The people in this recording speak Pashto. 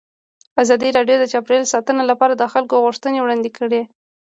ازادي راډیو د چاپیریال ساتنه لپاره د خلکو غوښتنې وړاندې کړي.